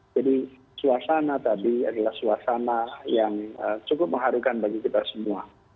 jadi suasana tadi adalah suasana yang cukup mengharukan bagi kita semua